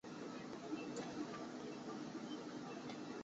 拉卢维埃洛拉盖人口变化图示